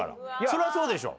そりゃそうでしょ。